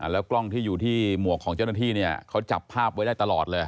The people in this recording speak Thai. แล้วกล้องที่อยู่ที่หมวกของเจ้าหน้าที่เนี่ยเขาจับภาพไว้ได้ตลอดเลย